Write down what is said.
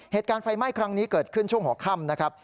เหตุการณ์ไฟไหม้ครั้งนี้เกิดขึ้นช่วงหัวค่ำนะครับ